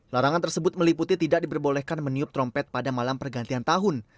larangan tersebut meliputi tidak diperbolehkan meniup trompet pada malam pergantian tahun